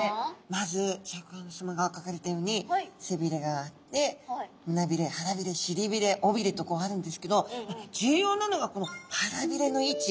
まずシャーク香音さまがかかれたように背びれがあってむなびれ腹びれしりびれおびれとこうあるんですけど重要なのがこの腹びれの位置。